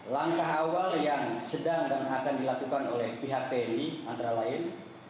langkah awal yang sedang dan akan dilakukan oleh pihak tni antara lain